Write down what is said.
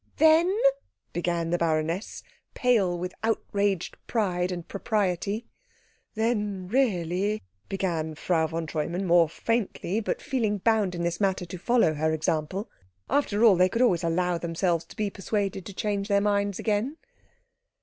"Then " began the baroness, pale with outraged pride and propriety. "Then really " began Frau von Treumann more faintly, but feeling bound in this matter to follow her example. After all, they could always allow themselves to be persuaded to change their minds again.